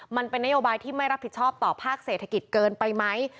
มันเป็นนโยบายที่ไม่รับผิดชอบต่อภาคเศรษฐกิจเกินไปไหม